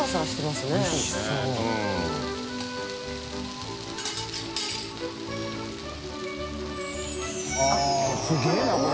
△すげぇなこれ。